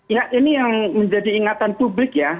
ya ini yang menjadi ingatan publik ya